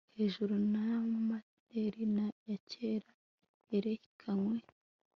Hejuru ya mantel ya kera yerekanwe